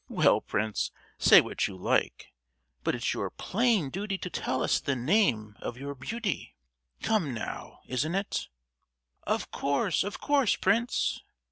"Well, prince, say what you like, but it's your plain duty to tell us the name of your beauty; come now, isn't it?" "Of course, of course, prince."